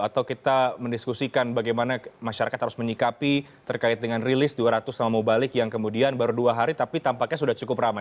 atau kita mendiskusikan bagaimana masyarakat harus menyikapi terkait dengan rilis dua ratus nama mubalik yang kemudian baru dua hari tapi tampaknya sudah cukup ramai